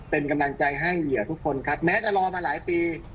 เป็นกำลังใจให้เหยื่อทุกคนครับแม้จะรอมาหลายปี